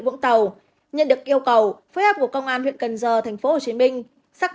vũng tàu nhận được yêu cầu phối hợp của công an huyện cần giờ thành phố hồ chí minh xác